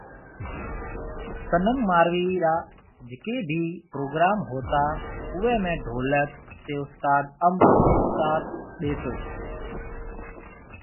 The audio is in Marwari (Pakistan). صنم ماروي را جڪي ڀي پروگرام ھوتا اوئي ۾ ڍولڪ تي اُستاد انب ساٿ ڏيتو